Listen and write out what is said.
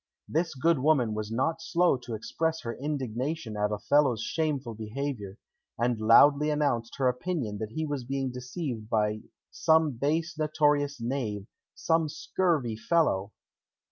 This good woman was not slow to express her indignation at Othello's shameful behaviour, and loudly announced her opinion that he was being deceived by "some base notorious knave, some scurvy fellow!"